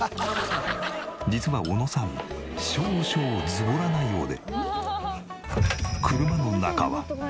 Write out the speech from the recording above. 実は小野さん少々ズボラなようで。